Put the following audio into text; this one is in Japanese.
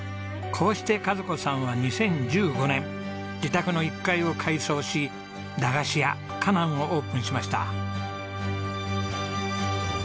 こうして和子さんは２０１５年自宅の１階を改装しだがしやかなんをオープンしました。